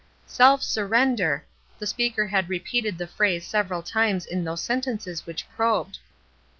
''Self surrender,'' the speaker had repeated the phrase several times in those sentences which probed.